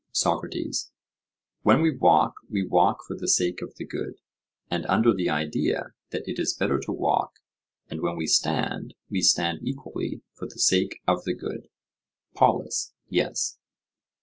SOCRATES: When we walk we walk for the sake of the good, and under the idea that it is better to walk, and when we stand we stand equally for the sake of the good? POLUS: Yes.